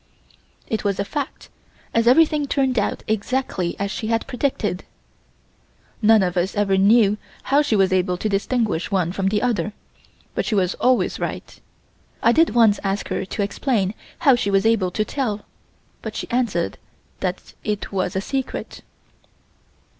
It was a fact as everything turned out exactly as she had predicted. None of us ever knew how she was able to distinguish one from the other, but she was always right. I did once ask her to explain how she was able to tell but she answered that it was a secret.